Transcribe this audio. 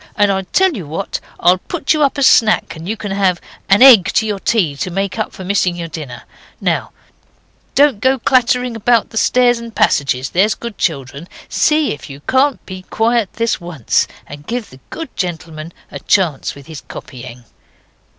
And I'll tell you what I'll put you up a snack, and you can have an egg to your tea to make up for missing your dinner. Now don't go clattering about the stairs and passages, there's good children. See if you can't be quiet this once, and give the good gentleman a chance with his copying.